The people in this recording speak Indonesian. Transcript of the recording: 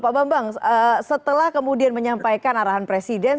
pak bambang setelah kemudian menyampaikan arahan presiden